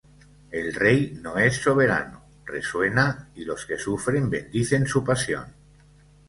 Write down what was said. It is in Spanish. el Rey no es soberano, resuena, y los que sufren bendicen su pasión.